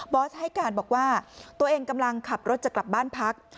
อสให้การบอกว่าตัวเองกำลังขับรถจะกลับบ้านพัก